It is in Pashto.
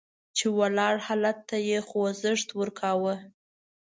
چې ولاړ حالت ته یې خوځښت ورکول وو.